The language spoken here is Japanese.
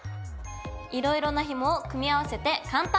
いろいろなひもを組み合わせて簡単！